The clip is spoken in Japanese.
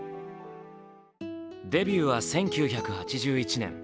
デビューは１９８１年。